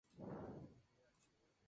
María Ponce nació en Tucumán.